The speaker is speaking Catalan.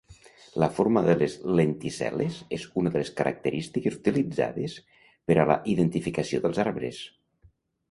La forma de les lenticel·les és una de les característiques utilitzades per a la identificació dels arbres.